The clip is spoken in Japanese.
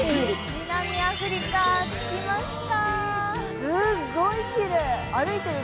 南アフリカ、着きました。